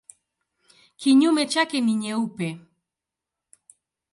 Kinyume chake ni nyeupe.